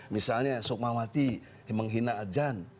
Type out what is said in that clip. misalnya sukmawati menghina adjan